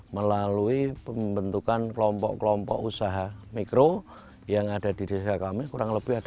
melalui pembentukan kelompok kelompok usaha mikro